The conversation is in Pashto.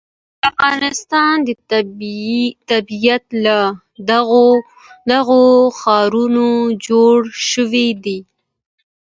د افغانستان طبیعت له دغو ښارونو جوړ شوی دی.